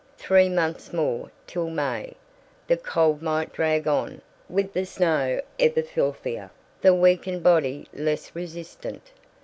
Three months more, till May, the cold might drag on, with the snow ever filthier, the weakened body less resistent.